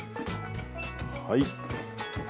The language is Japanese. はい。